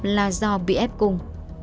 là do bị ép cung